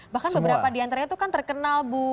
bahkan beberapa di antaranya itu kan terkenal bu